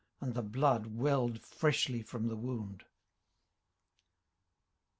And the blood well'd freshly from the wound.